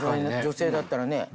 女性だったらね。